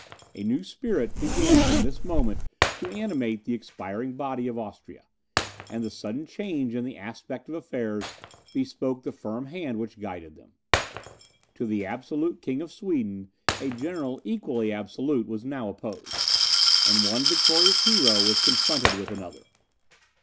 A new spirit began from this moment to animate the expiring body of Austria; and a sudden change in the aspect of affairs bespoke the firm hand which guided them. To the absolute King of Sweden, a general equally absolute was now opposed; and one victorious hero was confronted with another.